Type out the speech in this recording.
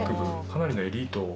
かなりのエリート。